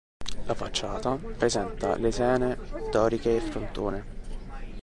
La facciata presenta lesene doriche e frontone.